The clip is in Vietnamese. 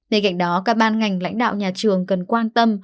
bên cạnh đó các ban ngành lãnh đạo nhà trường cần quan tâm